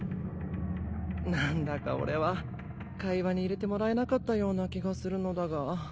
何だか俺は会話に入れてもらえなかったような気がするのだが。